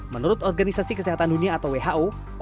menurut organisasi kesehatan dunia atau kementerian kesehatan